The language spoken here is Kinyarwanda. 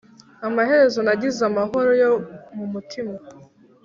Amaherezo nagize amahoro yo mu mutima